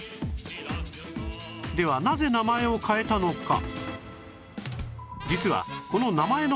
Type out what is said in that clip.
ではなぜ名前を変えたのか？